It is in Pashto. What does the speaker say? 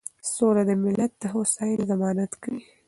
سوله د ملت د هوساینې ضمانت کوي.